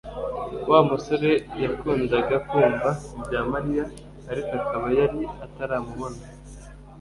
Wa musore yakundaga kumva ibya Mariya, ariko akaba yari ataramubona